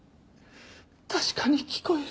確かに聞こえる。